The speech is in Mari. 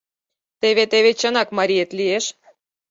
Теве-теве чынак мариет лиеш.